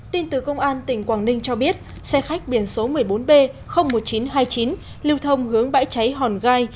tin từ công an tỉnh quảng ninh cho biết xe khách biển số một mươi bốn b một nghìn chín trăm hai mươi chín lưu thông hướng bãi cháy hòn gai